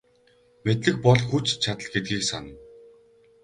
Мэдлэг бол хүч чадал гэдгийг сана.